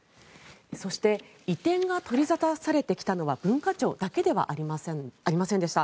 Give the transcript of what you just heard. そして、移転が取り沙汰されてきたのは文化庁だけではありませんでした